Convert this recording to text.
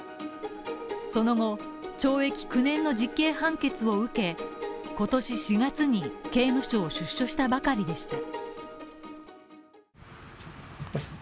その後、懲役９年の実刑判決を受け今年４月に刑務所を出所したばかりでした。